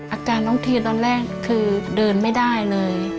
อาการน้องทีตอนแรกคือเดินไม่ได้เลย